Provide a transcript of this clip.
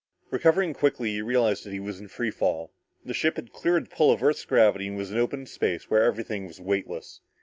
Recovering quickly, he realized that he was in free fall. The ship had cleared the pull of earth's gravity and was out in space where everything was weightless.